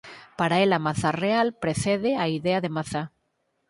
Para el a mazá real precede a idea da mazá.